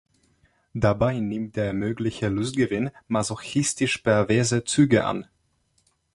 Dabei nimmt der mögliche Lustgewinn masochistisch-perverse Züge an.